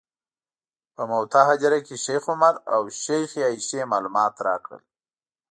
په موته هدیره کې شیخ عمر او شیخې عایشې معلومات راکړل.